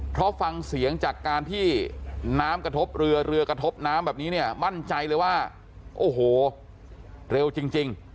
เพราะฟังเสียงจากการที่น้ำกระทบเรือเรือกระทบน้ำแบบนี้เนี่ยมั่นใจเลยว่าโอ้โหเร็วจริง